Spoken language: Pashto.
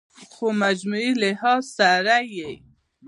خو مجموعي لحاظ سره ئې